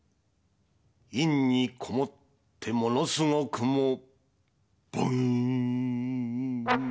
陰にこもってものすごくもボン」